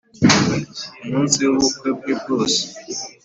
umunsi w’ubukwe bwe bwose